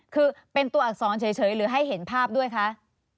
คือเป็นตัวอักษรเฉยหรือให้เห็นภาพด้วยคะ